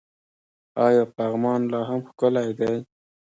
آیا پغمان لا هم ښکلی دی؟